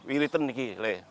wiritan ini leh